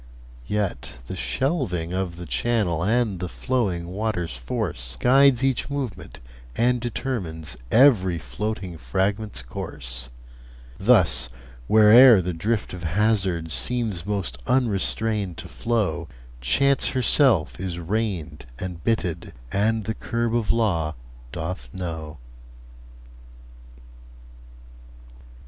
Yet the shelving of the channel And the flowing water's force Guides each movement, and determines Every floating fragment's course. Thus, where'er the drift of hazard Seems most unrestrained to flow, Chance herself is reined and bitted, And the curb of law doth know.